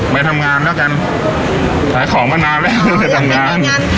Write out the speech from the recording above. ไปทำงานแล้วกันขายของก็นานแล้วอ๋อไปทำงาน